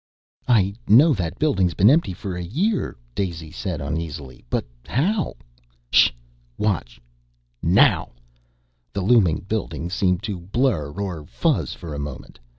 "I know that building's been empty for a year," Daisy said uneasily, "but how ?" "Sh! Watch! Now!" The looming building seemed to blur or fuzz for a moment.